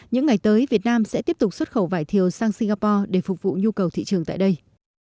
những ngày tới việt nam sẽ tiếp tục xuất khẩu vải thiều sang singapore để phục vụ nhu cầu thị trường tại đây